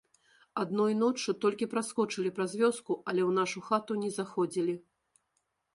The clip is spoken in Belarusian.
Адной ноччу толькі праскочылі праз вёску, але ў нашу хату не заходзілі.